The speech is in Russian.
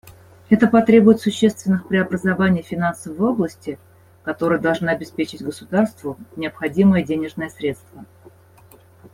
Это потребует существенных преобразований в финансовой области, которые должны обеспечить государству необходимые денежные средства.